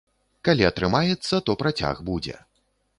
Калі атрымаецца, то працяг будзе.